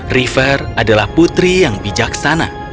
river adalah putri yang bijaksana